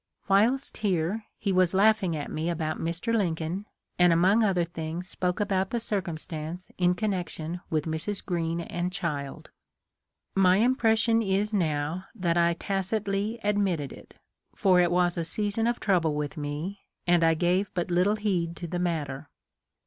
Whilst here, he was laughing at me about Mr. Lincoln, and among other things spoke about the circumstance in connection with Mrs. Greene and child. My impression is now that I tacitly admitted it, for it was a season of trouble with me, and I gave but little heed to the matter.